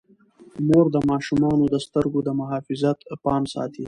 مور د ماشومانو د سترګو د محافظت پام ساتي.